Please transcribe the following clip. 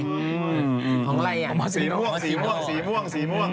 ของอะไรอ่ะสีม่วง